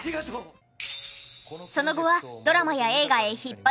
その後はドラマや映画へ引っ張りだこ。